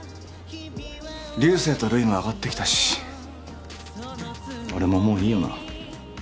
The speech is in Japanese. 流星とルイも上がってきたし俺ももういいよな。